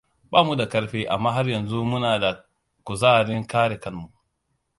Bamu da karfi amma har yanzu muna da kuzarin kare kanmu.